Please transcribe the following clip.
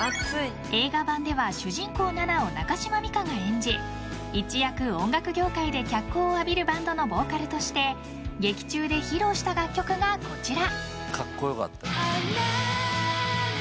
［映画版では主人公ナナを中島美嘉が演じ一躍音楽業界で脚光を浴びるバンドのヴォーカルとして劇中で披露した楽曲がこちら］